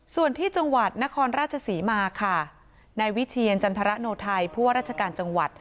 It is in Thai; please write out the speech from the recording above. ส่วนที่จังหวัดนครราชสีมาในวิเทียนจันทรณโนไทยเพื่อราชการจังหวัด